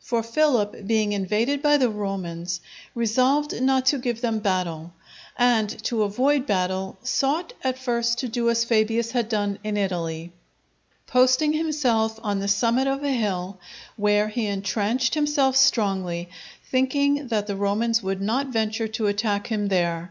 For Philip being invaded by the Romans, resolved not to give them battle; and to avoid battle, sought at first to do as Fabius had done in Italy, posting himself on the summit of a hill, where he intrenched himself strongly, thinking that the Romans would not venture to attack him there.